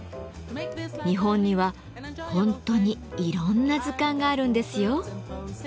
日本には本当にいろんな図鑑があるんですよ。